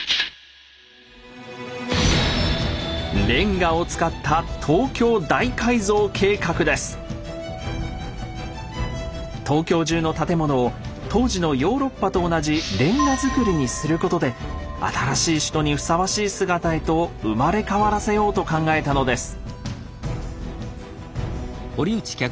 レンガを使った東京中の建物を当時のヨーロッパと同じレンガ造りにすることで新しい首都にふさわしい姿へと生まれ変わらせようと考えたのです。